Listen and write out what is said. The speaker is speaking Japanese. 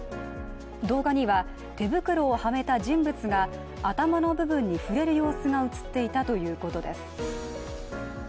動画には、手袋をはめた人物が頭の部分に触れる様子が映っていたということです。